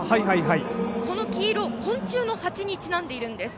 この黄色、昆虫のはちにちなんでいるんです。